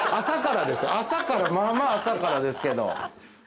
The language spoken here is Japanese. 朝からですよまあまあ朝からですけど。